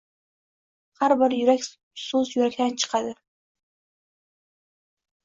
Har bir so‘z yurakdan chiqadi.